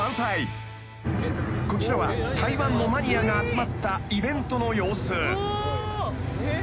［こちらは台湾のマニアが集まったイベントの様子］